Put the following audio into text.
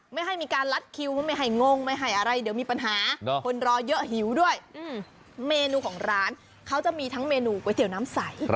ไม่ให้มีการลัดคิวไม่ให้งงไม่ให้อะไรเดี๋ยวมีปัญหาคนรอเยอะหิวด้วยเมนูของร้านเขาจะมีทั้งเมนูก๋วยเตี๋ยวน้ำใส